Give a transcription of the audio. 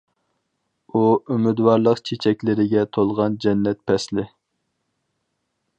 ئۇ، ئۈمىدۋارلىق چېچەكلىرىگە تولغان جەننەت پەسلى.